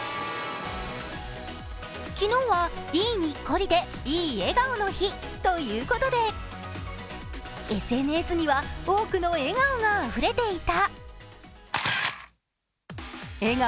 昨日はいいにっこりで、いいえがおの日ということで、ＳＮＳには多くの笑顔があふれていた。